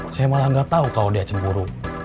saya malah gak tau kalau dia cemburu